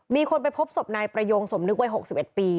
มีคนไปพบศพนายประโยงสมนึกวัย๖๑ปี